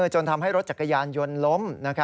จนทำให้รถจักรยานยนต์ล้ม